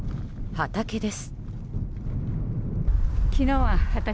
畑です。